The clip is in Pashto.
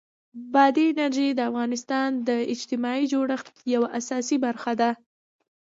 بادي انرژي د افغانستان د اجتماعي جوړښت یوه اساسي برخه ده.